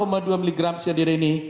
dua miligram cyanida ini